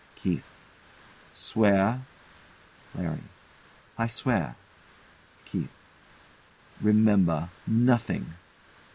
KEITH. Swear? LARRY. I swear. KEITH. Remember, nothing!